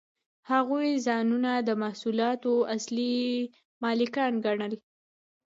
هغوی ځانونه د محصولاتو اصلي مالکان ګڼل